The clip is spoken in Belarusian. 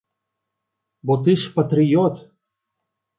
Бо ты ж патрыёт!